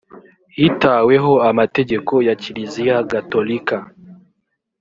hitaweho amategeko ya kiliziya gatolika